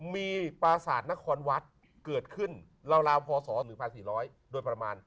มีปราศาสตร์นครวัดเกิดขึ้นราวพศ๑๔๐๐โดยประมาณ